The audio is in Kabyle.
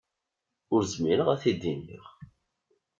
Ur zmireɣ ad t-id-iniɣ.